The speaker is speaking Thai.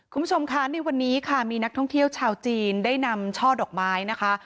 คุณผู้ชมคะในวันนี้ค่ะมีนักท่องเที่ยวชาวจีนได้นำช่อดอกไม้นะคะ